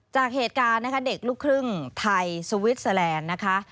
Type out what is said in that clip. จากเหตุการณ์นะคะเด็กลูกครึ่งไทยสวิสเตอร์แลนด์นะคะ